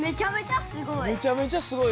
めちゃめちゃすごい！